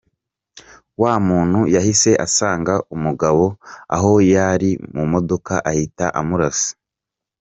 Wa muntu yahise asanga umugabo aho yari mu modoka ahita amurasa.